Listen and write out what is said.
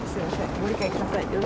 ご理解ください。